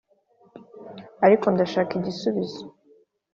ariko ndashaka igisubizo